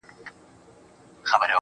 او له مړي سره یې یو توپیر همدا دی